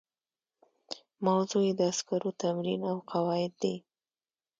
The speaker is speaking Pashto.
موضوع یې د عسکرو تمرین او قواعد دي.